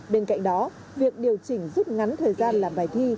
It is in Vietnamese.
bên cạnh đó việc điều chỉnh rút ngắn thời gian làm bài thi